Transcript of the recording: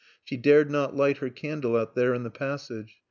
She dared not light her candle out there in the passage.